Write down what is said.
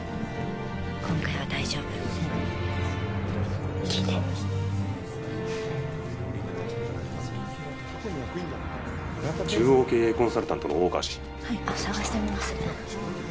今回は大丈夫聞いて中央経営コンサルタントの大川氏探してみます・